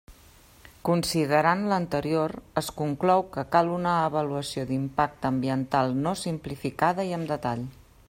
Considerant l'anterior, es conclou que cal una avaluació d'impacte ambiental no simplificada i amb detall.